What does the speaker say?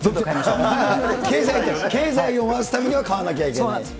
経済を回すためには買わなきそうなんです。